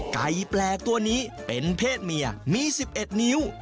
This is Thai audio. ไก่แปลกตัวนี้เป็นเพศเมียมี๑๑นิ้ว